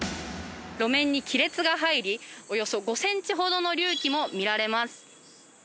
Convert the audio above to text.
路面に亀裂が入り、およそ５ｃｍほどの隆起も見られます。